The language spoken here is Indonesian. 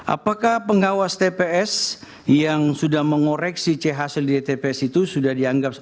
apakah pengawas tps yang sudah mengoreksi ch hasil di tps itu sudah dianggap